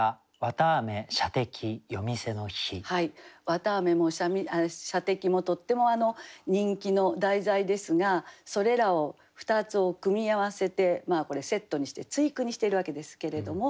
綿も射的もとっても人気の題材ですがそれらを２つを組み合わせてセットにして対句にしてるわけですけれども。